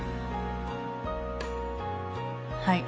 はい。